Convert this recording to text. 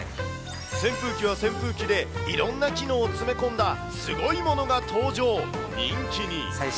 扇風機は扇風機で、いろんな機能を詰め込んだすごいものが登場、人気に。